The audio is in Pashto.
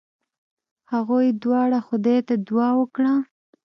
هغوی دواړو خدای ته دعا وکړه.